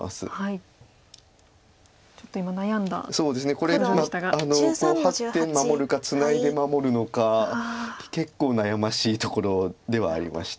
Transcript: これこうハッて守るかツナいで守るのか結構悩ましいところではありました。